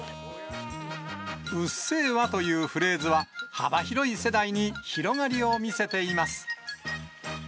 うっせぇわというフレーズは、幅広い世代に広がりを見せています。